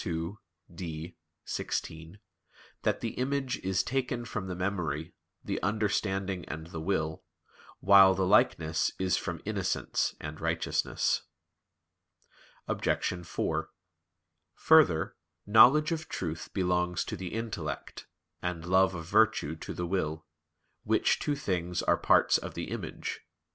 ii, D, xvi) "that the image is taken from the memory, the understanding and the will, while the likeness is from innocence and righteousness." Obj. 4: Further, knowledge of truth belongs to the intellect, and love of virtue to the will; which two things are parts of the image.